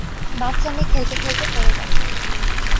বাচ্চা মেয়ে খেলতে-খেলতে পড়ে গেছে।